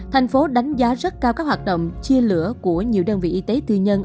thành phố đánh giá rất cao các hoạt động chia lửa của nhiều đơn vị y tế tư nhân